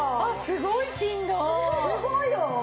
すごいよ。